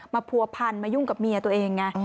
ผัวพันมายุ่งกับเมียตัวเองไง